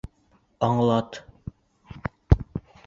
Аңлат.